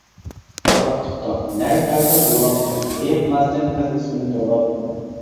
قورقۇتۇپتۇ، نەرە تارتىپ ھۇۋلاپتۇ، ھېيىقماستىن قىز ئىسمىنى توۋلاپتۇ.